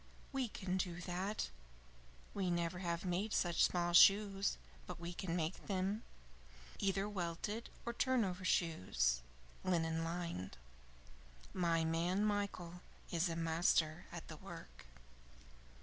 "We can do that. We never have made such small shoes, but we can make them; either welted or turnover shoes, linen lined. My man, Michael, is a master at the work."